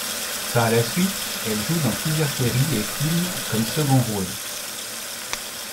Par la suite, elle joue dans plusieurs séries et films comme second rôle.